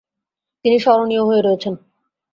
তিনি স্মরণীয় হয়ে রয়েছেন।